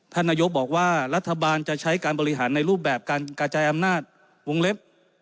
ท่านนายกบอกว่ารัฐบาลจะใช้การบริหารในรูปแบบการกระจายอำนาจวงเล็บ